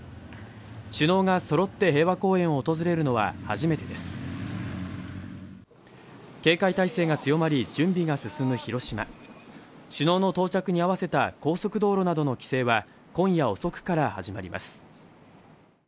首脳が揃って平和公園を訪れるのは初めてです警戒態勢が強まり、準備が進む広島首脳の到着に合わせた高速道路などの規制は今夜遅くから始まります。